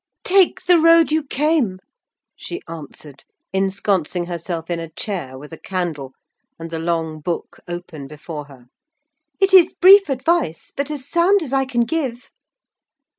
"Take the road you came," she answered, ensconcing herself in a chair, with a candle, and the long book open before her. "It is brief advice, but as sound as I can give."